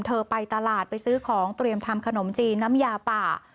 เธอไปตลาดไปซื้อของเตรียมทำขนมจีนน้ำยาป่า